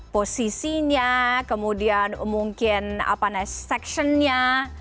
posisinya kemudian mungkin apa nih seksionnya